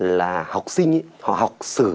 là học sinh họ học sử